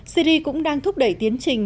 syri cũng đang thúc đẩy tiến trình